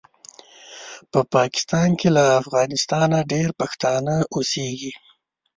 په پاکستان کې له افغانستانه ډېر پښتانه اوسیږي